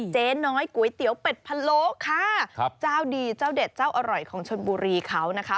เจ๊น้อยก๋วยเตี๋ยวเป็ดพะโลค่ะครับเจ้าดีเจ้าเด็ดเจ้าอร่อยของชนบุรีเขานะคะ